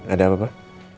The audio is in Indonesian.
ada apa pak